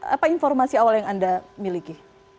apa informasi awal yang anda miliki